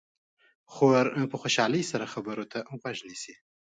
خور له خوشحالۍ سره خبرو ته غوږ نیسي.